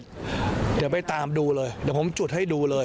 เดี๋ยวไปตามดูเลยเดี๋ยวผมจุดให้ดูเลย